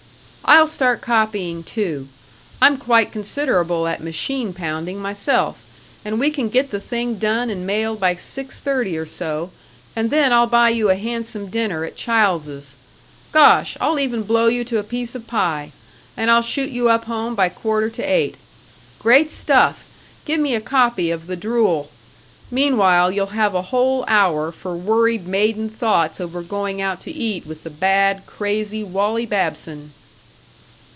"I'll start copying, too. I'm quite considerable at machine pounding myself, and we can get the thing done and mailed by six thirty or so, and then I'll buy you a handsome dinner at Childs's. Gosh! I'll even blow you to a piece of pie; and I'll shoot you up home by quarter to eight. Great stuff! Gimme a copy of the drool. Meanwhile you'll have a whole hour for worried maiden thoughts over going out to eat with the bad, crazy Wally Babson!"